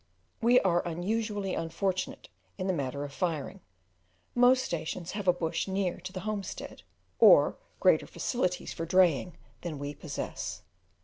We are unusually unfortunate in the matter of firing; most stations have a bush near to the homestead, or greater facilities for draying than we possess.